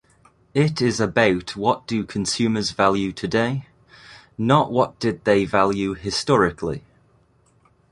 It is about what do consumers value today, not what did they value historically.